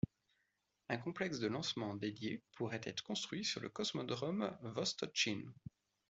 Un complexe de lancement dédié pourrait être construit sur le cosmodrome Vostotchny.